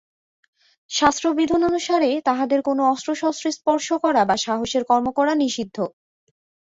শাস্ত্রবিধানানুসারে তাঁহাদের কোন অস্ত্রশস্ত্র স্পর্শ করা বা সাহসের কর্ম করা নিষিদ্ধ।